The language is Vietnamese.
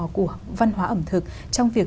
của văn hóa ẩm thực trong việc